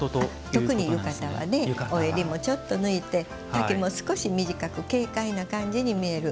特に浴衣はお襟もちょっと抜いて丈も少し短く軽快な感じに見える。